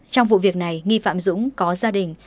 trong vụ việc này nghi phạm dũng có gia đình